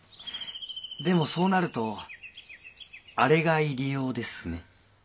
でもそうなるとあれが入り用ですね。